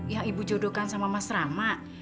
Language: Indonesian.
yang ibu jodohkan sama mas rama